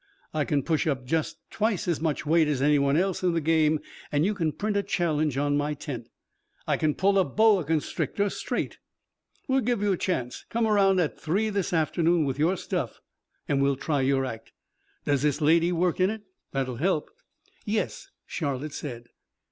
"I can push up just twice as much weight as any one else in the game and you can print a challenge on my tent. I can pull a boa constrictor straight " "We'll give you a chance. Come around here at three this afternoon with your stuff and we'll try your act. Does this lady work in it? That'll help." "Yes," Charlotte said.